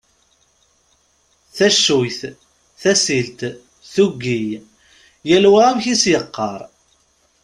Taccuyt, tasilt, tuggi: yal wa amek i as-yeqqar.